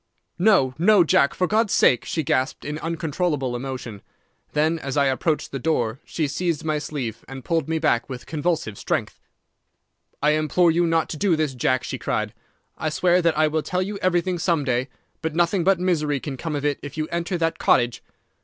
"'No, no, Jack, for God's sake!' she gasped, in uncontrollable emotion. Then, as I approached the door, she seized my sleeve and pulled me back with convulsive strength. "'I implore you not to do this, Jack,' she cried. 'I swear that I will tell you everything some day, but nothing but misery can come of it if you enter that cottage.